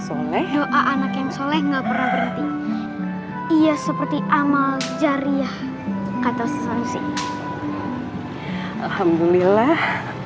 soleh anak yang soleh enggak pernah berhenti iya seperti amal zariah kata sesuai alhamdulillah